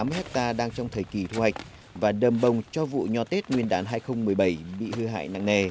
tám hectare đang trong thời kỳ thu hoạch và đầm bông cho vụ nho tết nguyên đán hai nghìn một mươi bảy bị hư hại nặng nề